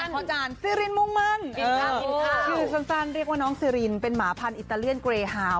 อาจารย์ซีรินมุ่งมั่นชื่อสั้นเรียกว่าน้องซีรินเป็นหมาพันธิตาเลียนเกรฮาว